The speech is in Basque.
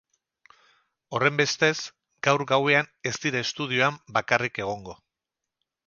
Horrenbestez, gaur gauean ez dira estudioan bakarrik egongo.